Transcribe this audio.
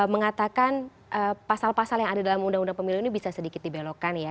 mengatakan pasal pasal yang ada dalam undang undang pemilu ini bisa sedikit dibelokkan ya